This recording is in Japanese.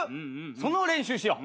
その練習しよう。